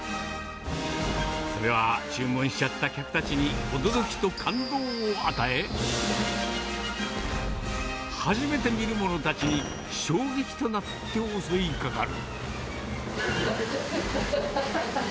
それは、注文しちゃった客たちに驚きと感動を与え、初めて見る者たちに衝撃となって襲いかかる。